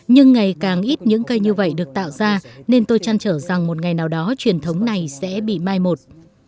nhưng ngày càng ít những cây như vậy được tạo ra nên tôi chăn trở rằng một ngày nào đó truyền thống này sẽ bị mai một